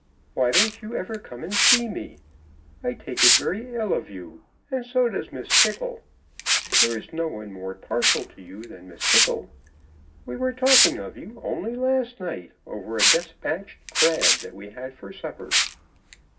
"Why don't you ever come and see me? I take it very ill of you; and so does Miss Tickle. There is no one more partial to you than Miss Tickle. We were talking of you only last night over a despatched crab that we had for supper."